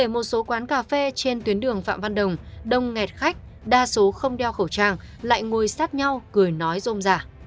một số quán cà phê trên tuyến đường phạm văn đồng đông nghẹt khách đa số không đeo khẩu trang lại ngồi sát nhau cười nói dôm giả